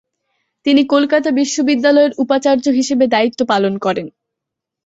তিনি কলকাতা বিশ্ববিদ্যালয়ের উপাচার্য হিসেবে দায়িত্ব পালন করেন।